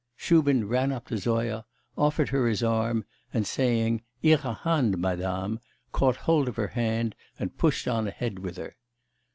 Shubin ran up to Zoya, offered her his arm, and saying: 'Ihre Hand, Madame' caught hold of her hand, and pushed on ahead with her.